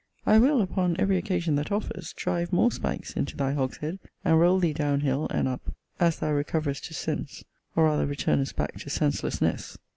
I will, upon every occasion that offers, drive more spikes into thy hogshead, and roll thee down hill, and up, as thou recoverest to sense, or rather returnest back to senselessness.